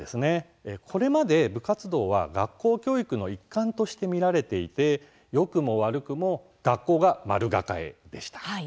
これまで部活動は学校教育の一貫として見られていて、よくも悪くも学校が丸抱えでした。